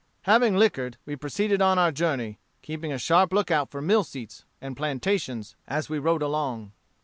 Having liquored, we proceeded on our journey, keeping a sharp lookout for mill seats and plantations as we rode along.